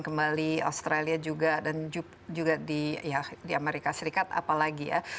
kembali australia juga dan juga di amerika serikat apalagi ya